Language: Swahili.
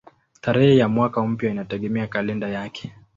Tarehe ya mwaka mpya inategemea kalenda yake.